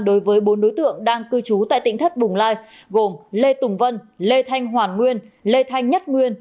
đối với bốn đối tượng đang cư trú tại tỉnh thất bồng lai gồm lê tùng vân lê thanh hoàn nguyên lê thanh nhất nguyên